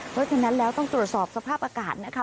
เพราะฉะนั้นแล้วต้องตรวจสอบสภาพอากาศนะคะ